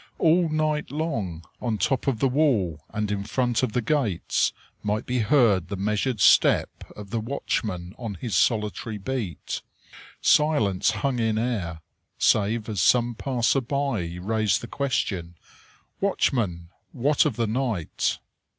All night long, on top of the wall and in front of the gates, might be heard the measured step of the watchman on his solitary beat; silence hung in air, save as some passer by raised the question: "Watchman, what of the night?"